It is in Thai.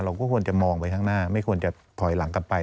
เราก็ควรจะมองไปข้างหน้าไม่ควรจะถอยหลังกลับไป